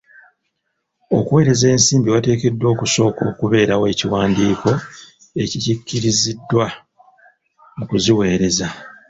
Okuweereza ensimbi wateekeddwa okusooka okubeerawo ekiwandiko ekikkiriziddwa mu kuziweereza.